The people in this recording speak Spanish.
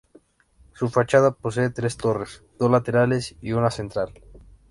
Su fachada posee tres torres: dos laterales y una central.